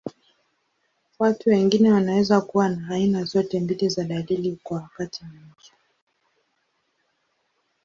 Watu wengine wanaweza kuwa na aina zote mbili za dalili kwa wakati mmoja.